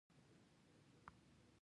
هغه کتاب د سولې پیغام درلود.